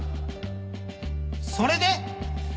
それで？